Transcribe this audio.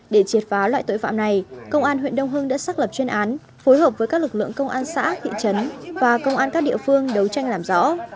để triệt phá loại tội phạm này công an huyện đông hưng đã xác lập chuyên án phối hợp với các lực lượng công an xã thị trấn và công an các địa phương đấu tranh làm rõ